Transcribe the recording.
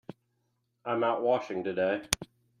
I'm out washing today.